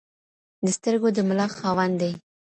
د سترگو د ملا خاوند دی.